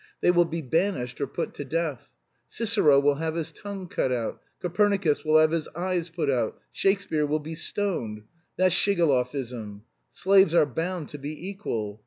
They will be banished or put to death. Cicero will have his tongue cut out, Copernicus will have his eyes put out, Shakespeare will be stoned that's Shigalovism. Slaves are bound to be equal.